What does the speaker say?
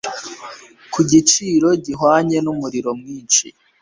ku giciro gihwanye numuriro mwinshi